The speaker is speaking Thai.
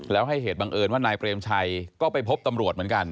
แล้วให้เหตุบังเอิญว่านายเปรมชัยก็ไปพบตำรวจเหมือนกัน